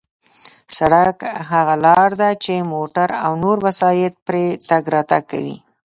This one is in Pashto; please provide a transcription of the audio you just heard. سړک هغه لار ده چې موټر او نور وسایط پرې تگ راتگ کوي.